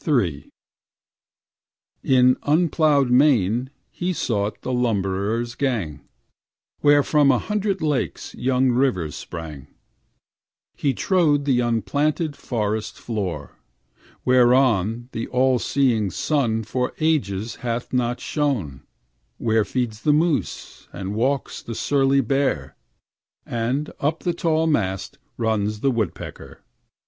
3 In unploughed Maine he sought the lumberers' gang Where from a hundred lakes young rivers sprang; He trode the unplanted forest floor, whereon The all seeing sun for ages hath not shone; Where feeds the moose, and walks the surly bear, And up the tall mast runs the woodpecker.